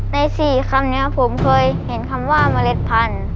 ใน๔คำนี้ผมเคยเห็นคำว่าเมล็ดพันธุ์